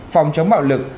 phòng chống bạo lực